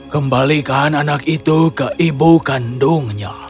kembalikan anak itu ke ibu kandungnya